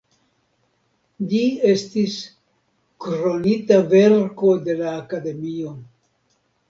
Ĝi estis "Kronita verko de la Akademio".